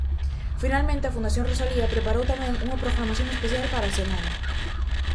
Finalmente a Fundación Rosalía preparou tamén unha programación especial para a semana.